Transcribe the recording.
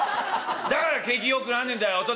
だから景気よくなんねえんだよお父